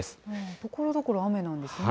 ところどころ雨なんですね。